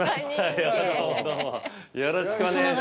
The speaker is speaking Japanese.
よろしくお願いします。